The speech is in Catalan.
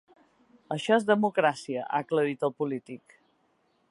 Això és democràcia, ha aclarit el polític.